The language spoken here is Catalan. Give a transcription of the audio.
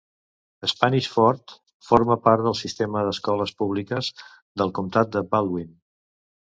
Spanish Fort forma part del sistema d'escoles públiques del comtat de Baldwin.